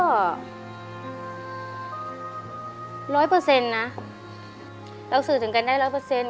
ร้อยเปอร์เซ็นต์นะเราสื่อถึงกันได้ร้อยเปอร์เซ็นต